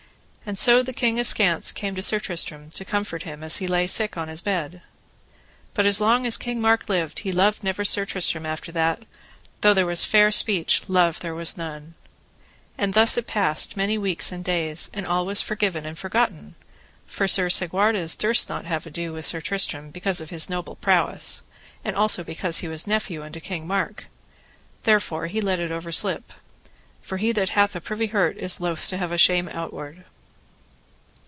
And so the king askance came to Sir Tristram, to comfort him as he lay sick in his bed. But as long as King Mark lived he loved never Sir Tristram after that; though there was fair speech, love was there none. And thus it passed many weeks and days, and all was forgiven and forgotten; for Sir Segwarides durst not have ado with Sir Tristram, because of his noble prowess, and also because he was nephew unto King Mark; therefore he let it overslip: for he that hath a privy hurt is loath to have a shame outward.